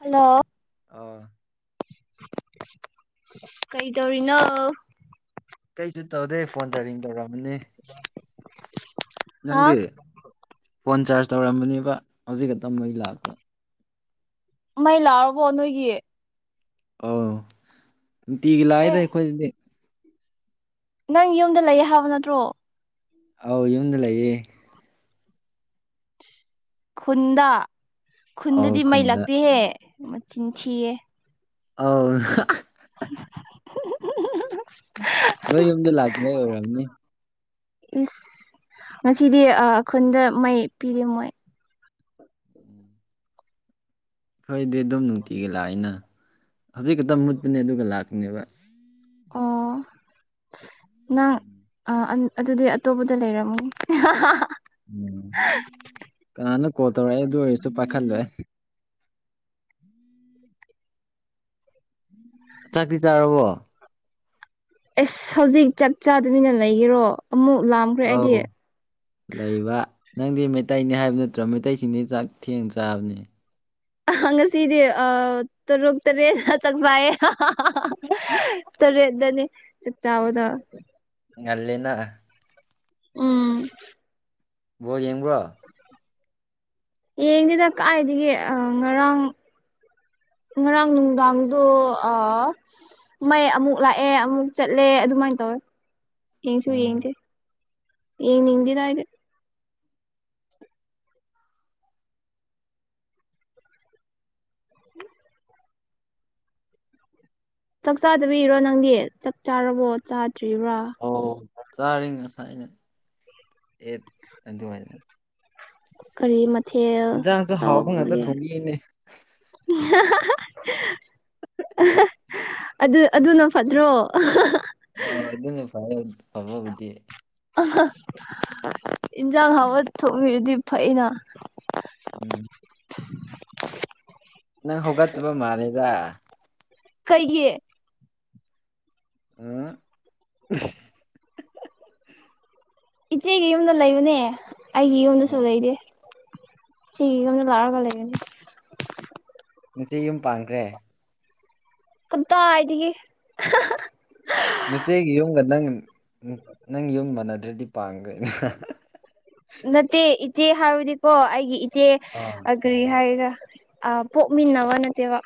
hello ꯑ ꯀꯩ ꯇꯧꯔꯤꯅ ꯀꯩꯁꯨ ꯇꯧꯗꯦ ꯐꯣꯟ ꯆꯔꯤꯡ ꯇꯧꯔꯝꯕꯅꯤ ꯍꯥ ꯅꯪꯗꯤ ꯐꯣꯟ ꯆꯥꯔꯖ ꯇꯧꯔꯝꯕꯅꯦꯕ ꯍꯧꯖꯤꯛꯀꯛꯇ ꯃꯩ ꯂꯥꯛꯄ ꯃꯩ ꯂꯥꯛꯔꯕꯣ ꯅꯣꯏꯒꯤ ꯑꯧ ꯅꯨꯡꯇꯤꯒꯤ ꯑꯦ ꯂꯥꯛꯏꯗ ꯑꯩꯈꯣꯏꯗꯗꯤ ꯅꯪ ꯌꯨꯝꯗ ꯂꯩꯌꯦ ꯍꯥꯏꯕ ꯅꯠꯇ꯭ꯔꯣ ꯑꯥꯎ ꯌꯨꯝꯗ ꯂꯩꯌꯦ ꯈꯨꯟꯗ ꯑꯧ ꯈꯨꯟꯗꯗꯤ ꯃꯩ ꯈꯨꯟꯗ ꯂꯇꯦꯍꯦ ꯃꯆꯤꯟ ꯊꯤꯌꯦ ꯑꯥꯎ [unintelligible] ꯅꯣꯏ ꯌꯨꯝꯗ ꯂꯥꯛꯇꯕꯩ ꯑꯣꯏꯔꯝꯅꯤ ꯏꯁ ꯉꯁꯤꯗꯤ ꯈꯨꯟꯗ ꯃꯩ ꯄꯤꯔꯦ ꯃꯣꯏ ꯑꯈꯣꯏꯗꯤ ꯑꯗꯨꯝ ꯅꯨꯡꯇꯤꯒꯤ ꯂꯥꯛꯏꯅ ꯍꯧꯖꯤꯛ ꯈꯛꯇ ꯃꯨꯠꯄꯅꯦ ꯑꯗꯨꯒ ꯂꯥꯛꯄꯅꯦꯕ ꯑꯣ ꯅꯪ ꯑꯗꯨꯗꯤ ꯑꯇꯣꯞꯄꯗ ꯂꯩꯔꯝꯒ ꯎꯝ ꯀꯅꯥꯅꯣ ꯀꯣꯜꯇꯧꯔꯛ ꯏꯗꯨ ꯑꯝꯇꯥ ꯄꯥꯈꯠꯂꯦ ꯆꯥꯛꯇꯤ ꯆꯥꯔꯕꯣ ꯑꯁ ꯍꯧꯖꯤꯛ ꯆꯥꯛ ꯆꯥꯗꯃꯤꯅ ꯂꯩꯒꯦꯔꯣ ꯑꯃꯨꯛ ꯂꯥꯝ ꯑꯥꯎ ꯂꯩꯕ ꯅꯪꯗꯤ ꯃꯩꯇꯩꯅꯤ ꯍꯥꯏꯕ ꯅꯠꯇ꯭ꯔꯣ ꯃꯩꯇꯩꯁꯤꯡꯗꯤ ꯆꯥꯛ ꯊꯦꯡꯅ ꯆꯥꯕꯅꯦ ꯉꯥꯁꯤꯗꯤ ꯑ ꯇꯥꯔꯨꯛ ꯇꯔꯦꯠ ꯇꯥ ꯆꯥꯛ ꯆꯥꯏ ꯌꯦ ꯇꯔꯦꯠ ꯇꯅꯦ ꯆꯥꯛ ꯆꯕꯗꯣ ꯉꯜꯂꯅ ꯎꯝ ꯕꯣꯜ ꯌꯦꯡꯕ꯭ꯔꯣ ꯌꯦꯡꯗꯦꯗ ꯀꯥꯏꯗꯥꯒꯤ ꯉꯔꯥꯡ ꯉꯔꯥꯡ ꯅꯨꯡꯗꯥꯡꯗꯣ ꯃꯩ ꯑꯃꯨꯛ ꯂꯥꯛꯑꯦ ꯑꯃꯨꯛ ꯆꯠꯂꯦ ꯑꯗꯨꯃꯥꯏꯅ ꯇꯧꯋꯦ ꯌꯦꯡꯁꯨ ꯎꯝ ꯌꯦꯡꯗꯦ ꯌꯦꯡ ꯅꯤꯡꯗꯦꯗ ꯑꯩꯗꯤ ꯆꯥꯛ ꯆꯥꯗꯕꯤꯔꯣ ꯅꯪꯗꯤ ꯆꯥꯛ ꯆꯥꯔꯕꯣ ꯆꯥꯗ꯭ꯔꯤꯕ꯭ꯔꯥ ꯑꯣ ꯆꯥꯔꯤ ꯉꯁꯥꯏ ꯑꯩꯏꯠ ꯑꯗꯨꯋꯥꯏꯗꯅ ꯀꯔꯤ ꯃꯊꯦꯜ ꯏꯟꯖꯥꯡꯁꯨ ꯍꯥꯎꯕ ꯉꯥꯛꯇ ꯇꯧꯔꯒꯦ ꯊꯣꯡꯕꯤꯅꯦ [unintelligible] ꯑꯗꯨ ꯑꯗꯨꯅ ꯐꯠꯇ꯭ꯔꯣ ꯑ ꯑꯗꯨꯅꯦ ꯐ ꯐꯕꯕꯨꯗꯤ ꯏꯟꯁꯥꯡ ꯍꯥꯎꯕ ꯊꯣꯡꯕꯤꯔꯗꯤ ꯐꯩꯅ ꯎꯝ ꯅꯪ ꯍꯒꯠꯇꯥꯕ ꯃꯜꯅꯦꯗ ꯀꯩꯒꯤ ꯑ [unintelligible] ꯏꯆꯦꯒꯤ ꯌꯨꯝꯗ ꯂꯩꯕꯅꯦ ꯑꯩꯒꯤ ꯌꯨꯝꯗꯁꯨ ꯑꯣ ꯂꯩꯇꯦ ꯏꯆꯦꯒꯤ ꯌꯨꯝꯗ ꯂꯛꯑꯒ ꯂꯩꯕꯅꯦ ꯅꯆꯦ ꯌꯨꯝ ꯄꯥꯟꯈ꯭ꯔꯦ ꯀꯗꯥꯏꯗꯒꯤ ꯃꯆꯦꯒꯤ ꯌꯨꯝꯒ ꯅꯪ ꯅꯪ ꯌꯨꯝ ꯃꯥꯟꯅꯗ꯭ꯔꯗꯤ ꯄꯥꯝꯈ꯭ꯔꯦꯅꯦ ꯅꯠꯇꯦ ꯏꯆꯦ ꯍꯥꯏꯕꯗꯤꯀꯣ ꯑꯩꯒꯤ ꯏꯆꯦ ꯑꯥ ꯑ ꯀꯔꯤ ꯍꯥꯏꯒꯦꯔ ꯄꯣꯛꯃꯤꯟꯅꯕ ꯅꯠꯇꯦꯕ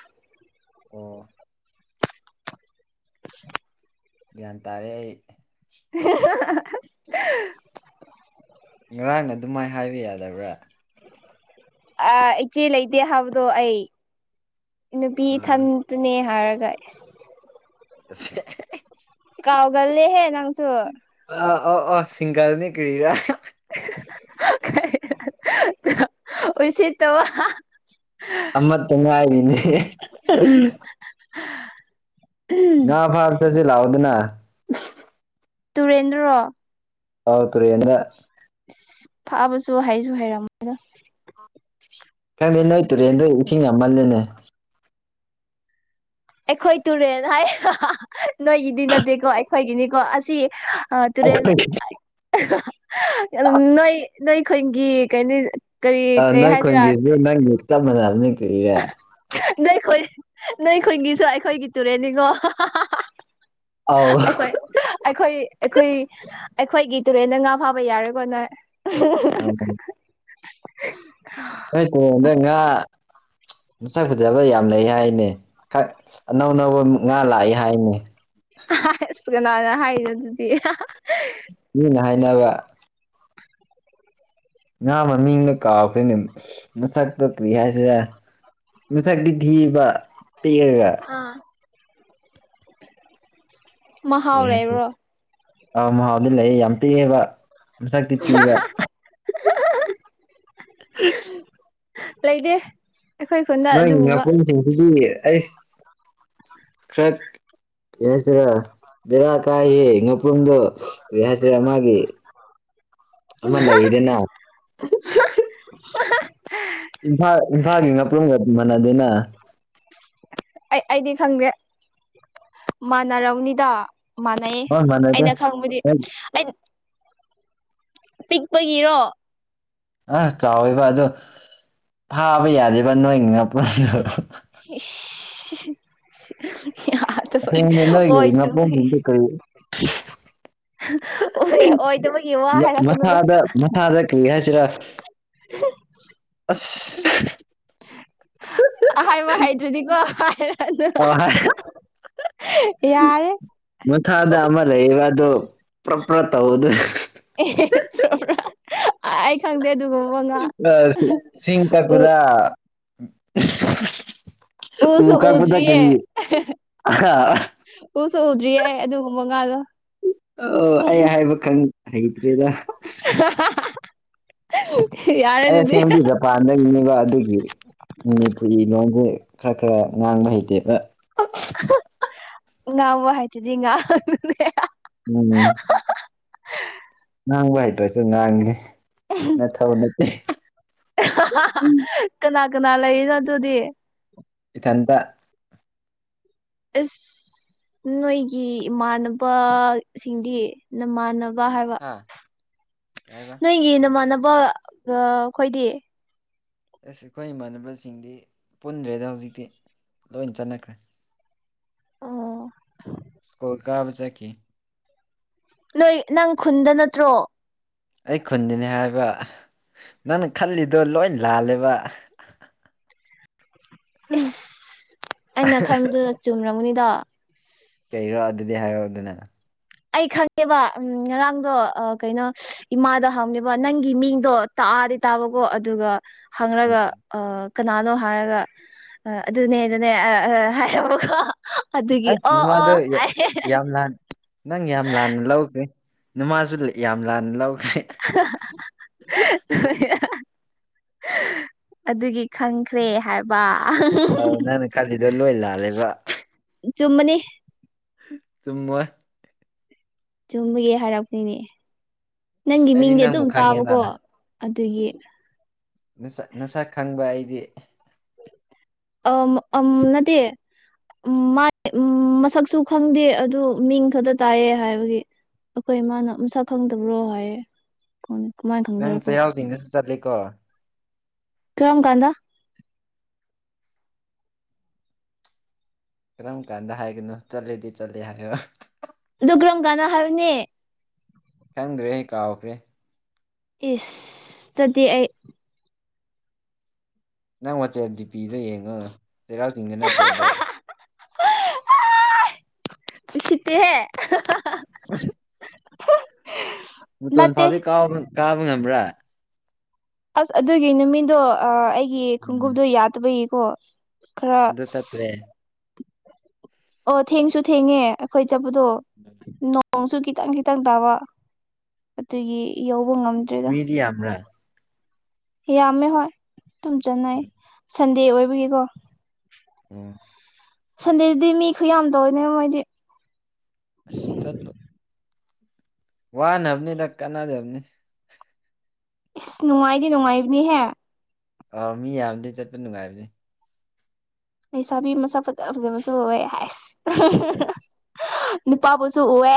ꯑꯣ [unintelligible] ꯒ꯭ꯌꯥꯟ ꯇꯥꯔꯦ ꯑꯩ [unintelligible] ꯉꯔꯥꯡꯅ ꯑꯗꯨꯃꯥꯏꯅ ꯍꯥꯏꯕ ꯌꯥꯗꯕ꯭ꯔꯥ ꯑ ꯏꯆꯦ ꯂꯩꯇꯦ ꯍꯥꯏꯕꯗꯣ ꯑꯩ ꯅꯨꯄꯤ ꯑ ꯏꯊꯟꯇꯅꯦ ꯍꯥꯏꯔꯒ ꯏꯁ ꯁ [unintelligible] ꯀꯥꯎꯒꯜꯂꯦꯍꯦ ꯅꯪꯁꯨ ꯑꫭ ꯑꫭ ꯑꫭ ꯁꯤꯡꯒꯥꯜꯅꯦ ꯀꯔꯤꯔ ꯎꯁꯤꯠꯇꯕ [unintelligible] ꯑꯃꯠꯇ ꯉꯥꯏꯔꯤꯅꯦ [unintelligible] ꯉꯥ ꯐꯥꯕ ꯆꯠꯁꯤ ꯂꯥꯛꯑꯣꯗꯅ ꯇꯨꯔꯦꯜꯗ꯭ꯔꯣ ꯑꯥꯎ ꯇꯔꯦꯜꯗ ꯏꯁ ꯐꯥꯕꯁꯨ ꯍꯩꯁꯨ ꯍꯩꯔꯝꯃꯔꯣꯏꯗ ꯈꯪꯗꯦ ꯅꯣꯏ ꯇꯨꯔꯦꯜꯗꯣ ꯏꯁꯤꯡ ꯌꯥꯝꯃꯜꯂꯦꯅꯦ ꯑꯩꯈꯣꯏ ꯇꯨꯔꯦꯜ ꯍꯥꯏꯌꯦ ꯅꯣꯏꯒꯤꯗꯤ ꯅꯠꯇꯦꯀꯣ ꯑꯩꯈꯣꯏꯒꯤꯅꯤꯀꯣ ꯑꯁꯤ ꯑ ꯇꯨꯔꯦꯜ ꯑꯩꯈꯣꯏꯒꯤ ꯅꯣꯏ ꯅꯣꯏꯈꯨꯟꯒꯤ ꯀꯩꯅꯤ ꯑꯥ ꯅꯣꯏ ꯈꯨꯟꯒꯤꯁꯨ ꯅꯪꯒꯤ ꯆꯞ ꯃꯥꯟꯅꯕꯅꯤ ꯀꯔꯤꯔꯦ ꯅꯣꯏꯈꯨꯟ ꯅꯣꯏꯈꯨꯟꯒꯤꯁꯨ ꯑꯩꯈꯣꯏꯒꯤ ꯇꯨꯔꯦꯟꯅꯤꯀꯣ ꯑꯥꯎ ꯑꯩꯈꯣꯏ ꯑꯩꯈꯣꯏ ꯑꯩꯈꯣꯏ ꯑꯩꯈꯣꯏꯒꯤ ꯇꯨꯔꯦꯜꯗ ꯉꯥ ꯐꯥꯕ ꯌꯥꯔꯣꯏꯀꯣ ꯅꯣꯏ [unintelligible] ꯍꫭꯏ ꯇꯨꯔꯦꯟꯗ ꯉꯥ ꯃꯁꯛ ꯐꯗꯕ ꯌꯥꯝ ꯂꯩ ꯍꯥꯏꯅꯦ ꯈꯛ ꯑꯅꯧ ꯑꯅꯧꯕ ꯉꯥ ꯂꯥꯛꯑꯦ ꯍꯥꯏꯅꯦ ꯍꯥꯏꯁ ꯀꯅꯥꯅ ꯍꯥꯏꯔꯤꯔꯣ ꯑꯗꯨꯗꯤ ꯃꯤꯅ ꯍꯥꯏꯅꯕ ꯉꯥ ꯃꯃꯤꯡꯗꯣ ꯀꯥꯎꯈ꯭ꯔꯦꯅꯦ ꯃꯁꯛꯇꯣ ꯀꯔꯤ ꯍꯥꯏꯁꯤꯔ ꯃꯁꯛꯇꯤ ꯊꯤꯕ ꯄꯤꯛꯑꯒ ꯑꯥ ꯀꯔꯤ ꯍꯥꯏꯁꯤ ꯑꯥ ꯃꯍꯥꯎꯗꯤ ꯂꯩ ꯌꯥꯝ ꯄꯤꯛꯑꯦꯕ ꯃꯁꯛꯇꯤ ꯊꯤꯕ [unintelligible] ꯂꯩꯗꯦ ꯅꯣꯏ ꯉꯥꯄꯨꯝꯁꯤꯡꯁꯤꯗꯤ ꯑꯩꯁ ꯈꯔ ꯀꯩꯍꯥꯏꯁꯤꯔ ꯕꯦꯔꯥ ꯀꯥꯏꯌꯦ ꯉꯄꯨꯝꯗꯣ ꯀꯔꯤ ꯍꯥꯏꯁꯤꯔ ꯃꯥꯒꯤ ꯑꯃ ꯂꯩꯌꯦꯗꯅ [unintelligible] ꯏꯝꯐꯥꯜ ꯏꯝꯐꯥꯜꯒꯤ ꯉꯥꯄ꯭ꯔꯨꯝꯒ ꯃꯥꯟꯅꯗꯦꯅ ꯑꯩ ꯑꯩꯗꯤ ꯈꯪꯗꯦ ꯃꯥꯟꯅꯔꯝꯅꯤꯗ ꯃꯥꯟꯅꯩ ꯍꯣꯏ ꯃꯥꯟꯅꯗꯦ ꯑꯩꯅ ꯈꯪꯕꯗꯤ ꯑꯩ ꯄꯤꯛꯄꯒꯤꯔꯣ ꯑꯁ ꯆꯥꯎꯋꯦꯕ ꯑꯗꯣ ꯐꯥꯕ ꯌꯥꯗꯦꯕ ꯅꯣꯏ ꯉꯥꯄꯨꯝꯗꯣ ꯏꯁ ꯌꯥ [unintelligible] ꯑꯁꯦꯡꯕ [unintelligible] ꯅꯣꯏꯒꯤ ꯑꯣꯏꯗꯕꯒꯤ ꯉꯥꯄ꯭ꯔꯨꯝꯁꯤꯡꯗꯨ ꯀꯔꯤ [unintelligible] ꯑꯣꯏ ꯑꯣꯏꯗꯕꯒꯤ ꯋꯥ ꯍꯥꯏꯔꯛꯀꯅꯨꯗ [unintelligible] ꯃꯁꯥꯗ ꯃꯁꯥꯗ ꯀꯔꯤ ꯍꯥꯏꯁꯤꯔꯥ ꯑꯁ ꯍꯥꯏꯕ ꯍꯥꯏꯗ꯭ꯔꯗꯤꯀꯣ ꯍꯥꯏꯔꯅꯨ ꯑꯣ ꯍ [unintelligible] ꯌꯥꯔꯦ ꯃꯊꯗ ꯑꯃ ꯂꯩꯑꯦꯕ ꯑꯗꯣ ꯄꯣꯄ꯭ꯔ ꯇꯧꯕꯗꯨ ꯑꯦ꯭ꯔ ꯑꯩ ꯈꯪꯗꯦ ꯑꯗꯨꯒ [unintelligible] ꯑ ꯆꯤꯡ ꯆꯠꯄꯗ ꯎ ꯎꯁꯨ ꯀꯥꯥꯛꯄꯗ ꯎꯗ꯭ꯔꯤꯌꯦ ꯀꯔꯤ ꯎꯁꯨ ꯎꯗ꯭ꯔꯤꯌꯦ ꯑꯗꯨꯒꯨꯝꯕ ꯉꯥꯗꯣ ꯑꯣ ꯑꯩ ꯍꯥꯏꯕ ꯈꯪ ꯍꯩꯇ꯭ꯔꯦꯗ ꯍꯣ ꯑꯩꯅ ꯁꯦꯝꯈꯤꯕ ꯃꯄꯥꯟꯗ ꯉꯥꯡꯕ ꯑꯗꯨꯒꯤ ꯃꯅꯤꯄꯨꯔꯤ ꯂꯣꯟꯁꯦ ꯈꯔ ꯈꯔ ꯉꯥꯡꯕ ꯍꯩꯇꯦꯕ ꯉꯥꯡꯕ ꯍꯩꯇꯔꯗꯤ ꯉꯥꯡꯅꯨꯅꯦ ꯎꯝ ꯉꯥꯡꯕ ꯍꯥꯏꯩꯇ꯭ꯔꯁꯨ ꯉꯥꯡꯒꯦ ꯅꯊꯧ ꯅꯠꯇꯦ ꯀꯅꯥ ꯀꯅꯥ ꯂꯩꯕꯔ ꯑꯗꯨꯗꯤ ꯏꯊꯟꯗ ꯑꯁ ꯅꯣꯏꯒꯤ ꯏꯃꯥꯟꯅꯕ ꯁꯤꯡꯗꯤ ꯅꯃꯥꯟꯅꯕ ꯍꯥꯏꯕ ꯍꯥ ꯀꯩ ꯍꯥꯏꯕ ꯅꯣꯏꯒꯤ ꯅꯃꯥꯟꯅꯕ ꯑꯩꯈꯣꯏꯗꯤ ꯑꯁ ꯑꯩꯈꯣꯏ ꯏꯃꯥꯟꯅꯕꯁꯤꯡꯗꯤ ꯄꯨꯟꯗ꯭ꯔꯦꯗ ꯍꯧꯖꯤꯛꯇꯤ ꯂꯣꯏꯅ ꯆꯠꯅꯈ꯭ꯔꯦ ꯑꯣ ꯁ꯭ꯀꯨꯜ ꯀꯥꯕ ꯆꯠꯈꯤ ꯅꯣꯏ ꯅꯪ ꯈꯨꯟꯗ ꯅꯠꯇ꯭ꯔꯣ ꯑꯩ ꯈꯨꯟꯗꯤꯅꯦ ꯍꯥꯏꯕ ꯅꯪꯅ ꯈꯜꯂꯤꯗꯣ ꯂꯣꯏ ꯂꯥꯜꯂꯦꯕ ꯏꯁ ꯑꯩꯅ ꯈꯟꯕꯗꯨꯗ ꯆꯨꯝꯔꯒꯅꯤꯗ ꯀꯩꯔꯣ ꯑꯗꯨꯗꯤ ꯍꯥꯏꯔꯛꯑꯣ ꯑꯗꯨꯅ ꯑꯩ ꯈꯪꯉꯦꯕ ꯎꯝ ꯉꯔꯥꯡꯗꯣ ꯀꯩꯅꯣ ꯏꯃꯥꯗ ꯍꯪꯉꯦꯕ ꯅꯪꯒꯤ ꯃꯤꯡꯗꯣ ꯇꯥꯗꯤ ꯇꯥꯕꯀꯣ ꯑꯗꯨꯒ ꯍꯪꯔꯒ ꯎꯝ ꯑ ꯀꯅꯥꯅꯣ ꯍꯥꯏꯔꯒ ꯑꯗꯨꯅꯦ ꯑꯗꯨꯅꯦ ꯍꯥꯏꯔꯕꯀꯣ ꯑꯗꯨꯒꯤ ꯑꯁ ꯑꯣ ꯅꯃꯥꯗꯣ ꯑꯣ ꯍꯥꯏꯌꯦ ꯌꯥꯝ ꯂꯥꯟ ꯅꯪ ꯌꯥꯝ ꯂꯥꯟꯅ ꯂꯧꯈ꯭ꯔꯦ ꯏꯃꯥꯁꯨ ꯌꯥꯝ ꯂꯥꯟꯅ ꯂꯧꯈ꯭ꯔꯦ ꯍꯣꯏ ꯑꯗꯨꯒꯤ ꯈꯪꯈ꯭ꯔꯦ ꯍꯥꯏꯕ ꯀꯥꯏꯗꯦꯗ ꯂꯣꯏ ꯂꯥꯜꯂꯦꯕ ꯆꯨꯝꯃꯅꯤ ꯆꯨꯝꯃꯣꯏ ꯆꯨꯝꯕꯒꯤ ꯍꯥꯏꯔꯛꯄꯅꯤꯅꯦ ꯅꯪꯒꯤ ꯑꯩꯗꯤ ꯃꯤꯡꯗꯤ ꯑꯗꯨꯝ ꯅꯪꯕꯨ ꯈꯪꯉꯦꯅ ꯇꯥꯕꯀꯣ ꯑꯗꯨꯒꯤ ꯅꯁꯛ ꯅꯁꯛ ꯈꯪꯕ ꯑꯩꯗꯤ ꯑꯝ ꯑꯝ ꯅꯠꯇꯦ ꯎꯝ ꯃꯥ ꯃꯁꯛꯁꯨ ꯈꯪꯗꯦ ꯑꯗꯨ ꯃꯤꯡ ꯈꯛꯇ ꯇꯥꯏꯌꯦ ꯍꯥꯏꯕꯒꯤ ꯑꯩꯈꯣꯏ ꯃꯥꯅ ꯃꯁꯛ ꯈꯪꯗꯕ꯭ꯔꯣ ꯍꯥꯏꯌꯦ ꯀ ꯀꯃꯥꯏꯅ ꯈꯪꯗ꯭ꯔꯀꯣ ꯆꯤꯡꯗ ꯆꯠꯂꯤ ꯀꯣ ꯀꯔ꯭ꯝ ꯀꯥꯟꯗ ꯀꯔꯝ ꯀꯥꯟꯗ ꯍꯥꯏꯒꯅꯣ ꯆꯠꯂꯦꯗꯤ ꯆꯠꯂꯦ ꯍꯥꯏꯌꯣ ꯑꯗꯨ ꯀ꯭ꯔꯝ ꯀꯥꯟ ꯍꯥꯏꯕꯅꯦ ꯈꯪꯗ꯭ꯔꯦ ꯑꯩ ꯀꯥꯎꯈ꯭ꯔꯦ ꯏꯁ ꯆꯠꯇꯦ ꯑꯩ ꯅꯪ ꯋꯥꯆꯦꯞ ꯗꯤ ꯄꯤꯗ ꯌꯦꯡꯉꯣ ꯆꯩꯔꯥꯎ ꯆꯤꯡꯗ ꯅꯠꯇ꯭ꯔꯣ ꯑꯗꯣ ꯍꯣꯏ ꯎꯁꯤꯠꯇꯦꯍꯦ ꯑꯁ ꯃꯇꯣꯟ ꯅꯠꯇꯦ ꯐꯥꯎꯗꯤ ꯀꯥꯕ ꯉꯝꯕ꯭ꯔꯥ ꯑꯁ ꯑꯗꯨꯒꯤ ꯅꯨꯃꯤꯠꯗꯣ ꯑꯩꯒꯤ ꯎꯝ ꯈꯣꯡꯎꯞꯗꯣ ꯌꯥꯗꯕꯒꯤꯀꯣ ꯈꯔ ꯑꯗꯨꯗꯣ ꯆꯠꯇ꯭ꯔꯦ ꯑꯣ ꯊꯦꯡꯁꯨ ꯊꯦꯡꯉꯦ ꯑꯩꯈꯣꯏ ꯆꯠꯄꯗꯣ ꯅꯣꯡꯁꯨ ꯈꯤꯇꯪ ꯈꯤꯇꯪ ꯇꯥꯕ ꯑꯗꯨꯒꯤ ꯌꯧꯕ ꯉꯝ ꯃꯤꯗꯤ ꯌꯥꯝꯕꯔꯥ ꯌꯥꯝꯃꯦ ꯍꯣꯏ ꯑꯗꯨꯨꯝ ꯆꯟꯅꯩ ꯁꯟꯗꯦ ꯑꯣꯏꯕꯒꯤꯀꯣ ꯎꯝ ꯁꯟꯗꯦꯗꯨꯗꯤ ꯃꯤ ꯈꯨ ꯌꯥꯝ ꯇꯧꯋꯦꯅꯦꯕ ꯃꯣꯏꯗꯤ ꯁꯠ ꯋꯥꯍ ꯅꯕꯅꯤꯗ ꯀꯅꯥꯗꯕꯅꯤ ꯏꯁ ꯅꯨꯡꯉꯥꯏꯗꯤ ꯅꯨꯡꯉꯥꯏꯕꯅꯤꯍꯦ ꯑꯥ ꯃꯤ ꯌꯥꯝꯕꯗꯤ ꯆꯠꯄ ꯅꯨꯡꯉꯥꯏꯕꯅꯦ ꯂꯩꯁꯥꯕꯤ ꯃꯁꯥ ꯐꯖ ꯐꯖ ꯃꯁꯨ ꯑꯣꯏꯦ ꯑꯁ ꯑꯩꯁ ꯅꯨꯄꯥꯕꯨꯁꯨ ꯎꯑꯦ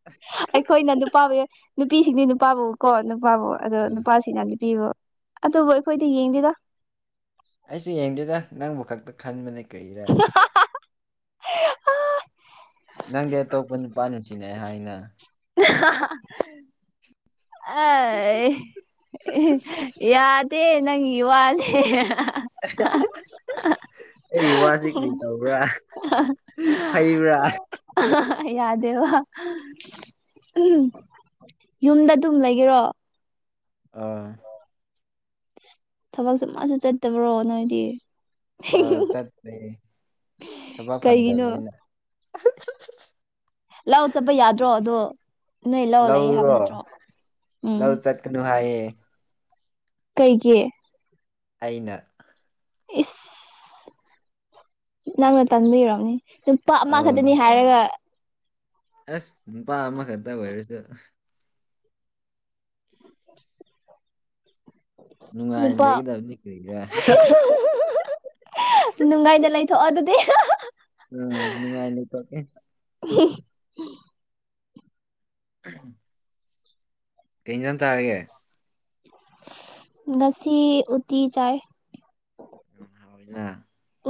[unintelligible] ꯑꯩꯈꯣꯏꯅ ꯅꯨꯄꯥꯕꯨ ꯅꯨꯄꯤꯁꯤꯡꯗꯤ ꯅꯨꯄꯥꯕꯨ ꯀꯣ ꯅꯨꯄꯥꯕꯨ ꯑꯗꯣ ꯑꯥ ꯅꯨꯄꯥꯁꯤꯅ ꯅꯨꯄꯤꯕꯨ ꯑꯗꯨꯕꯨ ꯑꯩꯈꯣꯏꯗꯤ ꯌꯦꯡꯗꯦꯗ ꯑꯩꯁꯨ ꯌꯦꯡꯗꯦꯗ ꯅꯪꯕꯨ ꯈꯛꯇ ꯈꯟꯕꯅꯦ ꯀꯔꯤꯔꯦ ꯅꯪꯗꯤ ꯑꯇꯣꯞꯄ ꯅꯨꯄꯥ ꯅꯨꯡꯁꯤꯤꯅꯦ ꯍꯥꯏꯅ ꯑꯦ ꯌꯥꯗꯦ ꯅꯪꯒꯤ ꯋꯥꯁꯦ ꯑꯩꯒꯤ ꯋꯥꯁꯤ ꯀꯔꯤ ꯇꯧꯕ꯭ꯔꯥ ꯐꯩꯕ꯭ꯔꯥ ꯌꯥꯗꯦ ꯕ ꯎꯝ ꯌꯨꯝꯗ ꯇꯨꯝ ꯂꯩꯒꯦꯔꯣ ꯑꯥ ꯊꯕꯛꯁꯨ ꯃꯥꯁꯨ ꯆꯠꯇꯕ꯭ꯔꯣ ꯅꯣꯏꯗꯤ ꯑ ꯆꯠꯇ꯭ꯔꯦ ꯊꯕꯛ ꯐꯪꯗꯕꯅꯤꯅ ꯂꯥꯛ ꯆꯠꯄ ꯌꯥꯗ꯭ꯔꯣ ꯑꯗꯣ ꯅꯣꯏ ꯏ ꯂ ꯑꯣꯜꯂꯛꯑꯦ ꯍꯥꯏꯕ ꯅꯠꯇ꯭ꯔꯣ ꯎꯝ ꯀꯩꯅꯣ ꯍꯥꯏꯌꯦ ꯀꯩꯒꯤ ꯑꯩꯅ ꯏꯁ ꯅꯪꯅ ꯇꯝꯃꯤꯔ‌ꯣ ꯅꯨꯄꯥꯞ ꯑꯃ ꯈꯛꯇꯅꯤ ꯍꯥꯏꯔꯒ ꯑꯦꯁ ꯅꯨꯄꯥ ꯑꯃ ꯈꯟꯛꯇ ꯑꯣꯏꯔꯁꯨ ꯅꯨꯡꯉꯥꯏꯅ ꯅꯨꯄꯥ ꯂꯩꯒꯗꯕꯅꯤ ꯀꯔꯤꯔꯥ ꯅꯨꯡꯉꯥꯏꯗ ꯂꯩꯊꯣꯛꯑꯣ ꯑꯗꯨꯗꯤ ꯑꯅꯨꯡꯥꯏ ꯇꯣꯛꯑꯦ ꯎ ꯎꯝ [unintelligible] ꯀꯩꯖꯥꯡ ꯆꯥꯔꯒꯦ ꯉꯁꯤ ꯎꯇꯤ ꯆꯥꯏ ꯎ ꯍꯣꯏꯅ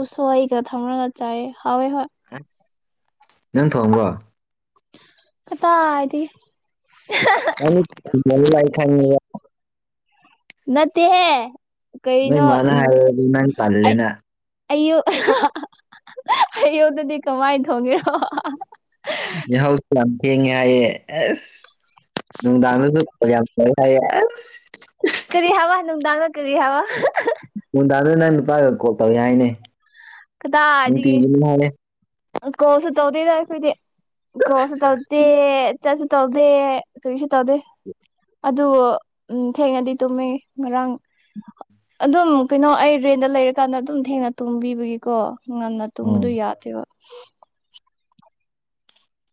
ꯎꯁ‌ꯣꯏꯒ ꯊꯝꯔꯒ ꯆꯥꯏ ꯍꯋ‌ꯦ ꯍꯣꯏ ꯑꯁ ꯅꯪ ꯊꯣꯡꯕ꯭ꯔꯣ ꯀꯗꯥꯏ ꯗꯤ ꯑ ꯊ ꯂꯥꯏ ꯈ [unintelligible] [unintelligible] [unintelligible] ꯅꯠꯇ ꯍꯦ ꯅꯣꯏ ꯀꯔꯤꯅꯣ ꯃꯥꯅ ꯍꯥꯏꯔꯗꯤ ꯅꯪ ꯇꯜꯂꯦꯅ ꯑꯌꯨ ꯑꯌꯨꯛꯇꯗꯤ ꯀꯃꯥꯏ ꯊꯣꯡꯉꯦꯔꯣ ꯌꯥ ꯍꯧꯁꯨ ꯌꯥꯝ ꯊꯦꯡꯉꯦ ꯍꯥꯏꯌꯦ ꯑꯁ ꯅꯨꯡꯗꯥꯡꯗꯁꯨ ꯌꯥ ꯈ ꯍꯥꯏ ꯀꯔꯤ ꯍꯥꯏꯕ ꯅꯨꯡꯗꯥꯡꯗ ꯀꯔꯤ ꯍꯥꯏꯕ ꯅꯨꯡꯗꯥꯅ ꯅꯪ ꯅꯨꯄꯥꯒ ꯀꯣ ꯇꯧ ꯍꯥꯏꯅꯦ ꯀꯗꯥꯏꯗꯒꯤ ꯅꯨꯡꯇꯤꯒꯤꯅꯤ ꯍꯥꯏꯌꯦ ꯀꯣꯜꯁꯨ ꯇꯧꯗ‌ꯦꯗ ꯑꯩꯈꯣꯏꯗꯤ ꯀ‌ꯣꯜꯁꯨ ꯇꯧꯗꯦ ꯆꯠꯁꯨ ꯇꯧꯗꯦ ꯀꯔꯤꯁꯨ ꯇꯧꯗꯦ ꯑꯗꯨ ꯎꯝ ꯊꯦꯡꯅꯗꯤ ꯇꯨꯝꯃꯦ ꯉꯔꯥꯡ ꯑꯗꯨꯝ ꯀꯩꯅꯣ ꯑꯩ ꯔꯦꯟꯗ ꯂꯩꯔꯀꯥꯟꯗ ꯑꯗꯨꯝ ꯊꯦꯡꯅ ꯇꯣꯡꯕꯤꯕꯒꯤꯀꯣ ꯉꯟꯅ ꯇꯨꯝꯕꯗꯨꯣ ꯎꯝ ꯌꯥꯗꯦꯕ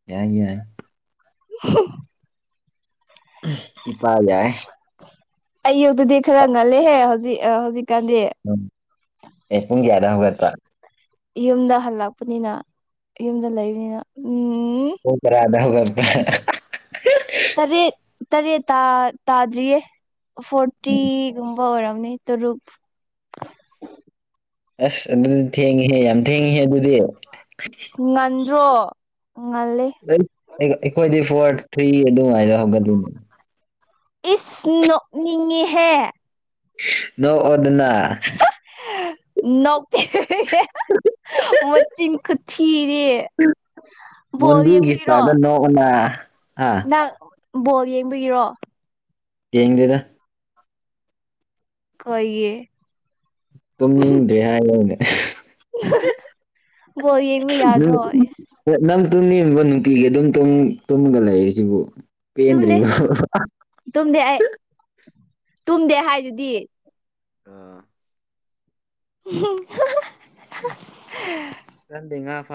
ꯌꯥꯏ ꯌꯥꯏ [unintelligible] ꯏꯄꯥ ꯌꯥꯑ ꯑꯩꯌꯨꯛꯇꯗꯤ ꯈꯔ ꯉꯜꯂꯦꯍꯦ ꯍꯧꯖꯤꯛ ꯍꯧꯖꯤꯛꯀꯥꯟꯗꯤ ꯎꯝ ꯑꯦ ꯄꯨꯡ ꯀꯌꯥꯗ ꯍꯧꯒꯠꯄ꯭ꯔ ꯌꯨꯝꯗ ꯍꯜꯂꯛꯄꯅꯤꯅ ꯌꯨꯝꯗ ꯂꯩꯕꯅꯤꯅ ꯎꯝ ꯎꯝ ꯍ ꯇꯔꯥꯗ ꯍꯒ ꯇꯔꯦꯠ ꯇꯔꯦꯠ ꯇꯥꯁꯤꯌꯦ ꯎꯝ ꯐꯣꯔꯇꯤꯒ ꯑꯣꯏꯔꯝꯅꯤ ꯇ ꯔꯨꯛ ꯑꯁ ꯑꯗꯨꯗꯤ ꯊꯦꯡꯉꯤꯍꯦ ꯌꯥꯝ ꯊꯦꯡꯉꯤꯍꯦ ꯑꯗꯨꯗꯤ ꯉꯟꯗ꯭ꯔꯣ ꯉꯜꯜꯂꯤꯦ ꯑꯩꯈꯣꯏꯗꯤ ꯐꯣꯔ ꯊ꯭ꯔꯤ ꯑꯗꯨꯃꯥꯏꯗ ꯍꯧꯒꯠꯗꯣꯏꯅꯦ ꯏꯁ ꯅꯉꯤꯍ ꯅꯣ ꯑꯣ ꯑꯗꯨꯅ ꯅꯧꯀꯤ [unintelligible] ꯃꯆꯤꯟ ꯈꯨꯊꯤꯔꯦ ꯕꯣ ꯃꯣꯟꯕꯤꯒꯤ ꯌꯦꯡꯕꯨꯔꯣ ꯁꯇꯥꯏꯜꯗ ꯅꯣꯛꯑꯣꯅ ꯍꯥ ꯅꯪ ꯕꯣꯜ ꯌꯦꯡꯕꯤꯒꯤꯔꯣ ꯌꯦꯡꯡꯗꯗ ꯀꯦ ꯇꯨꯝꯅꯤꯡꯗꯦ ꯍꯥꯏꯔꯅꯦ ꯕꯣ ꯌꯦꯡꯕ ꯌꯥꯗ꯭ꯔꯣ ꯑꯦꯁ ꯅꯪ ꯇꯨꯝꯅꯤꯡꯕ ꯅꯨꯄꯤꯒꯤ ꯑꯗꯨꯝ ꯇꯨꯝꯒ ꯂꯩꯔꯤꯁꯤꯕꯨ ꯇꯨꯝꯗꯦ ꯄꯦꯟꯗ꯭ꯔꯤꯕ ꯇꯨꯝꯗꯦ ꯑꯩ ꯇꯨꯝꯗꯦ ꯍꯥꯏꯗꯨꯗꯤ ꯑ ꯎꯝ ꯀꯗ ꯉ ꯐ